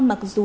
mặc dù là